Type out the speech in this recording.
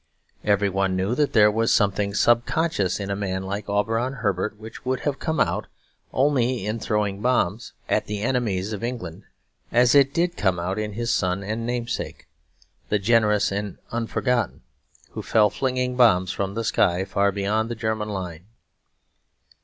Every one knew that there was something subconscious in a man like Auberon Herbert, which would have come out only in throwing bombs at the enemies of England; as it did come out in his son and namesake, the generous and unforgotten, who fell flinging bombs from the sky far beyond the German line.